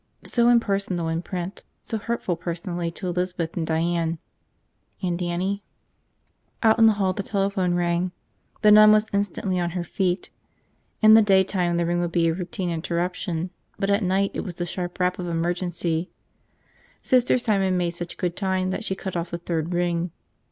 So impersonal in print, so hurtfully personal to Elizabeth and Diane. And Dannie? Out in the hall the telephone rang. The nun was instantly on her feet. In the daytime the ring would be a routine interruption, but at night it was the sharp rap of emergency. Sister Simon made such good time that she cut off the third ring.